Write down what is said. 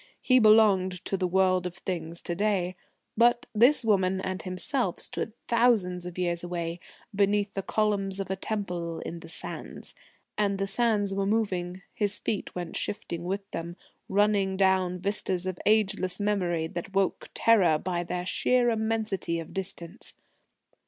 He belonged to the world of things to day. But this woman and himself stood thousands of years away, beneath the columns of a Temple in the sands. And the sands were moving. His feet went shifting with them ... running down vistas of ageless memory that woke terror by their sheer immensity of distance....